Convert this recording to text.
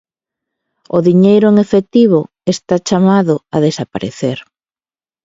O diñeiro en efectivo está chamado a desaparecer.